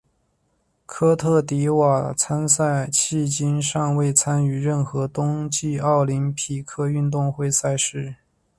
科特迪瓦参赛迄今尚未参与任何冬季奥林匹克运动会赛事。